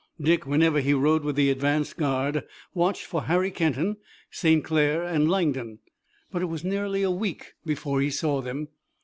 Dick, whenever he rode with the advanced guard, watched for Harry Kenton, St. Clair and Langdon, but it was nearly a week before he saw them.